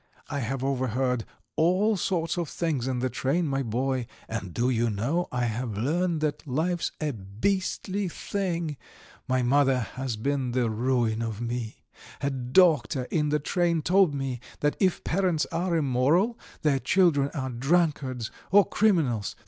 I have overheard all sorts of things in the train, my boy, and do you know, I have learned that life's a beastly thing! My mother has been the ruin of me! A doctor in the train told me that if parents are immoral, their children are drunkards or criminals.